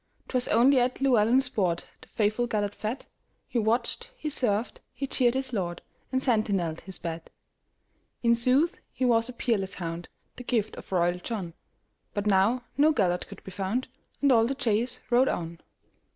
'T was only at Llewelyn's boardThe faithful Gêlert fed; He watched, he served, he cheered his lord, And sentineled his bed.In sooth he was a peerless hound, The gift of royal John; But now no Gêlert could be found, And all the chase rode on.